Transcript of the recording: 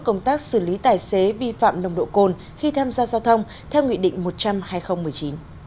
công tác xử lý tài xế vi phạm nồng độ cồn khi tham gia giao thông theo nghị định một trăm linh hai nghìn một mươi chín